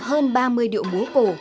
hơn ba mươi điệu múa cổ